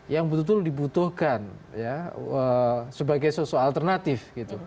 yang betul betul dibutuhkan sebagai sosok alternatif